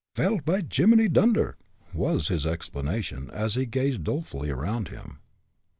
"Vel, py shimminy dunder!" was his exclamation, as he gazed dolefully around him.